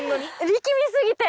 力みすぎて。